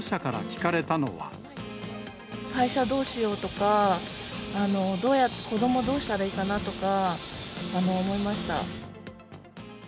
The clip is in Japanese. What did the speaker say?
会社どうしようとか、子どもどうしたらいいかなとか、思いました。